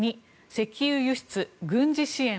２石油輸出、軍事支援。